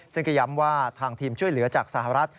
ซึ่งก็ย้ำว่าทางทีมช่วยเหลือจากสหรัฐ